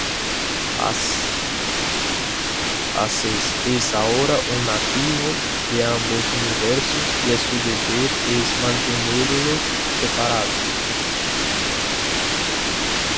Access es ahora un nativo de ambos universos y su deber es mantenerlos separados.